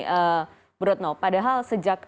menurut noh padahal sejak